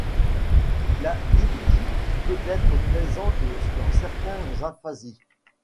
La dysprosodie peut être présente dans certaines aphasies.